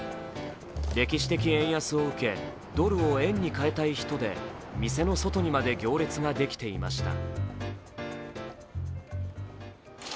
歴史的円安を受け、ドルを円に替えたい人で店の外にまで行列ができていました。